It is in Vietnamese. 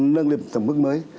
nâng lên một tầm mức mới